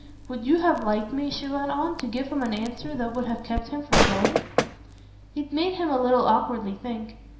Would you have liked me," she went on, "to give him an answer that would have kept him from going?" It made him a little awkwardly think.